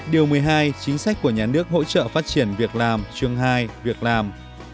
điều một mươi hai chính sách của nhà nước hỗ trợ phát triển việc làm chương hai việc làm